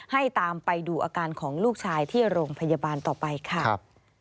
ให้ตามไปดูอาการของลูกชายที่โรงพยาบาลต่อไปค่ะ